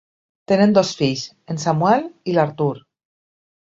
Tenen dos fills, en Samuel i l'Artur.